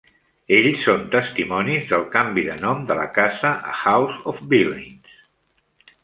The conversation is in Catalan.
Ells són testimonis del canvi de nom de la casa a House of Villains.